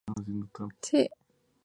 Era de ascendencia libanesa.